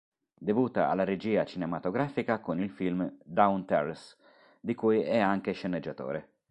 Debutta alla regia cinematografica con il film "Down Terrace", di cui è anche sceneggiatore.